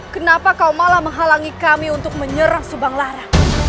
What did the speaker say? kenapa kau malah menghalangi kami untuk menyerang subang lara